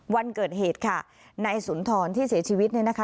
วันเกิดเหตุค่ะในศูนย์ธรณที่เสียชีวิตนะคะ